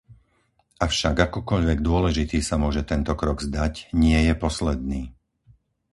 Avšak, akokoľvek dôležitý sa môže tento krok zdať, nie je posledný.